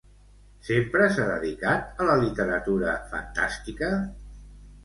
Sempre s'ha dedicat a la literatura fantàstica?